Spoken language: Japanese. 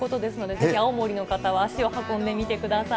ぜひ青森の方は足を運んでみてください。